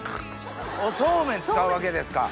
おそうめん使うわけですか？